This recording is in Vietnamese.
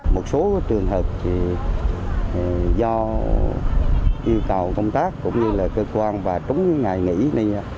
một số trường hợp do yêu cầu công tác cũng như là cơ quan và trúng ngày nghỉ